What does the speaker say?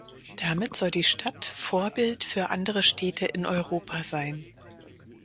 Damit soll die Stadt Vorbild für andere Städte in Europa sein.